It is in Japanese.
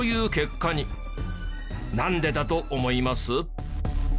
なんでだと思います？